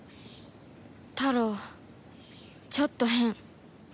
タロウちょっと変